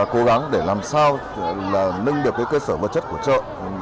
cố gắng để làm sao là nâng được cái cơ sở vật chất của chợ